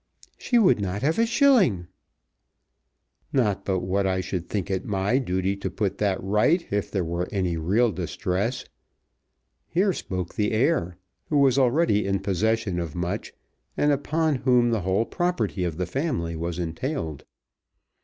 "She would not have a shilling." "Not but what I should think it my duty to put that right if there were any real distress." Here spoke the heir, who was already in possession of much, and upon whom the whole property of the family was entailed.